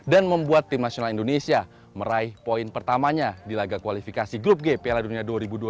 dan membuat tim nasional indonesia meraih poin pertamanya di laga kualifikasi grup g piala dunia dua ribu dua puluh dua